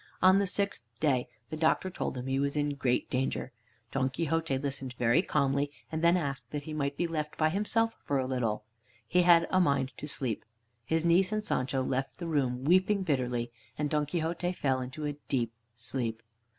On the sixth day, the doctor told him he was in great danger. Don Quixote listened very calmly, and then asked that he might be left by himself for a little he had a mind to sleep. His niece and Sancho left the room weeping bitterly, and Don Quixote fell into a deep sleep.